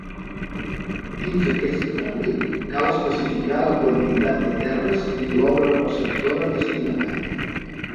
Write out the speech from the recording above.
Dins aquest tràmit cal especificar la quantitat de terres i l'obra receptora destinatària.